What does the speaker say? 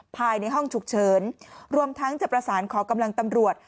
ภายในห้องฉุกเฉินรวมทั้งจะประสานขอกำลังตำรวจ